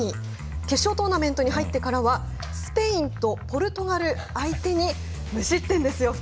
決勝トーナメントに入ってからはスペインとポルトガル相手に無失点ですよ。